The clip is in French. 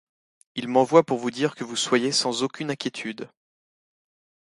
Il m'envoie pour vous dire que vous soyez sans aucune inquiétude.